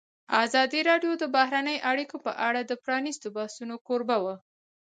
ازادي راډیو د بهرنۍ اړیکې په اړه د پرانیستو بحثونو کوربه وه.